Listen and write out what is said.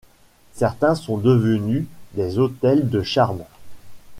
Certains sont devenus des hôtels de charme.